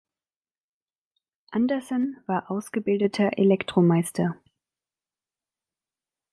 Andersen war ausgebildeter Elektromeister.